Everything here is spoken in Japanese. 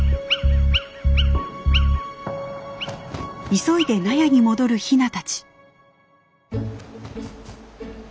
急いで納屋に戻るヒナたち。